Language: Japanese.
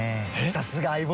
さすが相棒！